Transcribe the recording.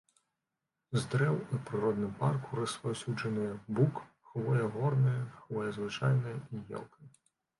З дрэў у прыродным парку распаўсюджаныя бук, хвоя горная, хвоя звычайная і елка.